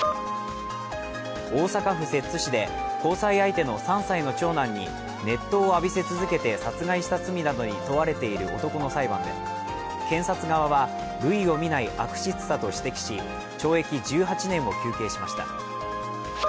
大阪府摂津市で交際相手の３歳の長男に熱湯を浴びせ続けて殺害した罪などに問われている男の裁判で検察側は類を見ない悪質さと指摘し、懲役１８年を求刑しました。